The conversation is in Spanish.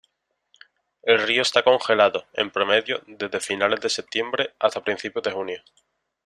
El río está congelado, en promedio, desde finales de septiembre hasta principios de junio.